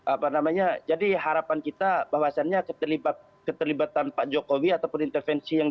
apa namanya jadi harapan kita bahwasanya ke libat libatan jokowi atau pun intervensi yang